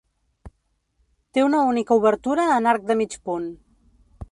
Té una única obertura en arc de mig punt.